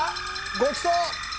ごちそう！